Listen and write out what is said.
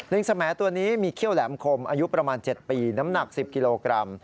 สมแอตัวนี้มีเขี้ยวแหลมคมอายุประมาณ๗ปีน้ำหนัก๑๐กิโลกรัม